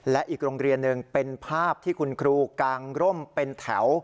และอีกโรงเรียนหนึ่งเป็นภาพที่คุณครูกางร่มเป็นแถว